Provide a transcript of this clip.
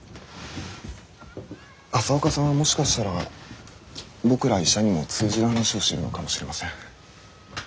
朝岡さんはもしかしたら僕ら医者にも通じる話をしてるのかもしれません。